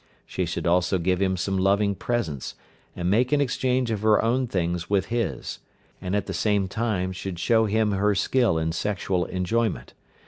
She should also give him some loving presents, and make an exchange of her own things with his, and at the same time should show him her skill in sexual enjoyment.